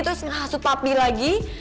terus ngasut papi lagi